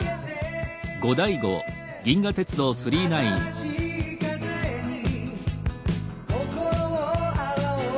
「新しい風に心を洗おう」